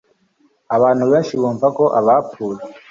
Abantu benshi bumva ko abapfuye